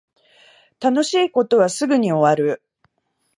楽しい事はすぐに終わる